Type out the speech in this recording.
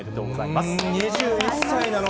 ２１歳なの？